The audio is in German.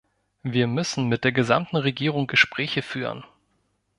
Wir müssen mit der gesamten Regierung Gespräche führen.